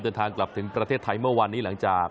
เดินทางกลับถึงประเทศไทยเมื่อวานนี้หลังจาก